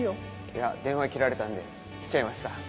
いや電話切られたんで来ちゃいました。